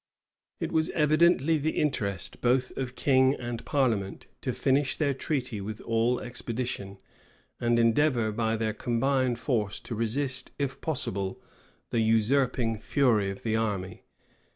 It was evidently the interest, both of king and parliament, to finish their treaty with all expedition; and endeavor by their combined force to resist, if possible, the usurping fury of the army.